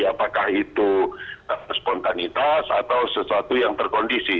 apakah itu spontanitas atau sesuatu yang terkondisi